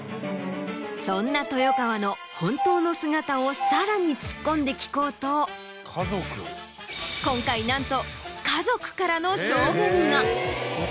そんな豊川の本当の姿をさらに突っ込んで聞こうと今回なんと家族からの証言が。